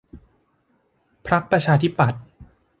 พรรคประชาธิปัตย์